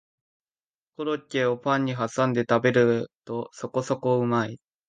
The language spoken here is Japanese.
コロッケをパンにはさんで食べるとそこそこうまい